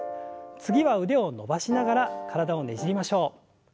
次は腕を伸ばしながら体をねじりましょう。